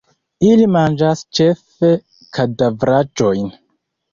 Ili manĝas ĉefe kadavraĵojn.